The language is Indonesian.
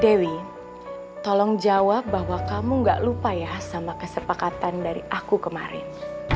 dewi tolong jawab bahwa kamu gak lupa ya sama kesepakatan dari aku kemarin